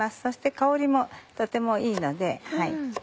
そして香りもとてもいいので。